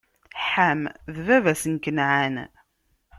Ḥam, d baba-s n Kanɛan.